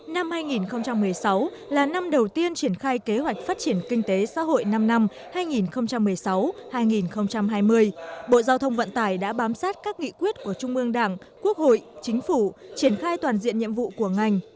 năm hai nghìn một mươi sáu là năm đầu tiên triển khai kế hoạch phát triển kinh tế xã hội năm năm hai nghìn một mươi sáu hai nghìn hai mươi bộ giao thông vận tải đã bám sát các nghị quyết của trung ương đảng quốc hội chính phủ triển khai toàn diện nhiệm vụ của ngành